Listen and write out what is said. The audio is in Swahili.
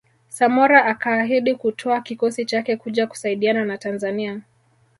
Samora akaahidi kutoa kikosi chake kuja kusaidiana na Tanzania